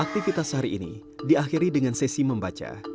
aktivitas hari ini diakhiri dengan sesi membaca